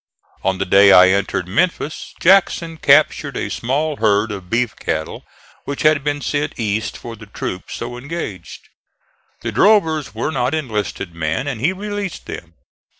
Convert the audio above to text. On the day I entered Memphis, Jackson captured a small herd of beef cattle which had been sent east for the troops so engaged. The drovers were not enlisted men and he released them.